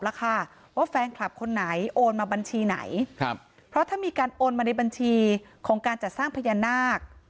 แล้วค่ะว่าแฟนคลับคนไหนโอนมาบัญชีไหนครับเพราะถ้ามีการโอนมาในบัญชีของการจัดสร้างพญานาค